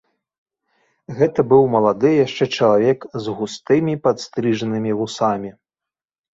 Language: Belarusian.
Гэта быў малады яшчэ чалавек з густымі, падстрыжанымі вусамі.